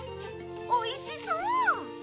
おいしそう！